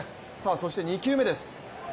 そして２球目です。